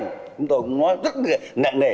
chúng tôi cũng nói rất là nặng nề